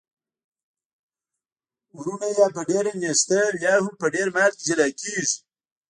وروڼه یا په ډیره نیستۍ او یا هم په ډیر مال کي جلا کیږي.